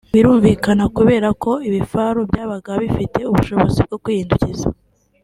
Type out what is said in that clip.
Birumvikana kubera ko ibifaru byabaga bifite ubushobozi bwo kwihindukiza